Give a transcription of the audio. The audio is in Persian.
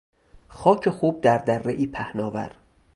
خاک خوب در درهای پهناور